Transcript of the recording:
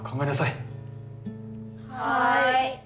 はい。